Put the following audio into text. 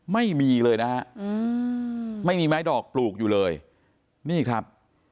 ไม่มีเลยนะฮะไม่มีไม้ดอกปลูกอยู่เลยนี่ครับ